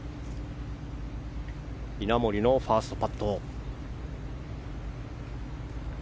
稲森のファーストパット。